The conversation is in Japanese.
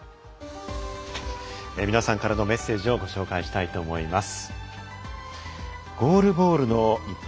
皆さんからのメッセージをご紹介したいと思います。